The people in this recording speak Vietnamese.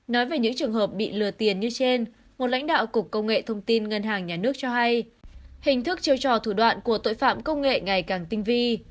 nói về những trường hợp bị lừa tiền như trên một lãnh đạo cục công nghệ thông tin ngân hàng nhà nước cho hay hình thức chiêu trò thủ đoạn của tội phạm công nghệ ngày càng tinh vi